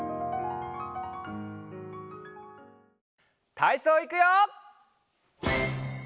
たいそういくよ！